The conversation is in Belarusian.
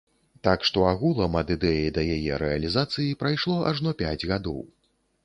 Так што агулам ад ідэі да яе рэалізацыі прайшло ажно пяць гадоў.